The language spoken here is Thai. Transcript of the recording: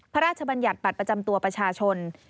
บรรยัติบัตรประจำตัวประชาชน